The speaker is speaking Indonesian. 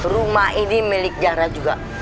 rumah ini milik jahra juga